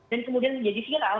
dan kemudian menjadi viral